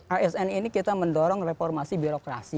asn ini kita mendorong reformasi birokrasi